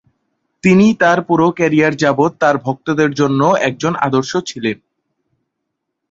তিনি তার পুরো ক্যারিয়ার যাবত তার ভক্তদের জন্য একজন আদর্শ ছিলেন।